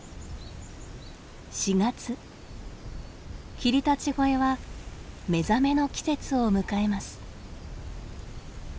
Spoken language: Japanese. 霧立越は目覚めの季節を迎えます。